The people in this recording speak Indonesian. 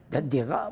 dan dia gak